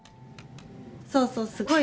そうそうすごい